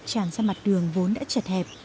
tràn ra mặt đường vốn đã chật hẹp